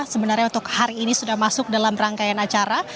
sebenarnya untuk hari ini sudah masuk dalam rangkaian acara